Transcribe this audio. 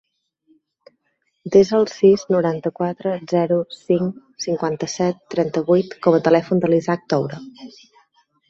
Desa el sis, noranta-quatre, zero, cinc, cinquanta-set, trenta-vuit com a telèfon de l'Isaac Toure.